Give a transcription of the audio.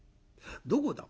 「どこだ？」。